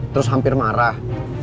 terus hampir marah